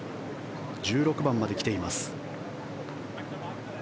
１６番まで来ています。